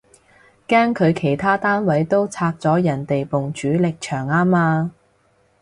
驚佢其他單位都拆咗人哋埲主力牆吖嘛